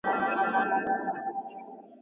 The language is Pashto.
چارې به ثمر ته ورسیږي.